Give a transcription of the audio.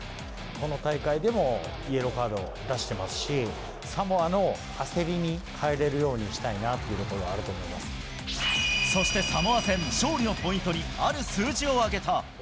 この大会でもイエローカードを出してますし、サモアの焦りに変えれるようにしたいなというところがあると思いそしてサモア戦、勝利のポイントにある数字を挙げた。